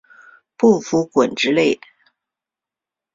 不服滚之类的